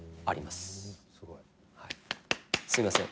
すいません。